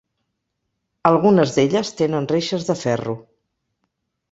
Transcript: Algunes d'elles tenen reixes de ferro.